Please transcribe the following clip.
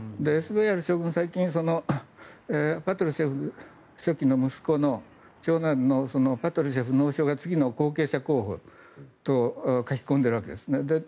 ＳＶＲ将軍は最近パトルシェフ書記の息子の長男のパトルシェフ農相が次の後継者候補と書き込んでいるわけですね。